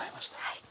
はい。